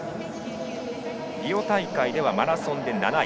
リオ大会ではマラソンで７位。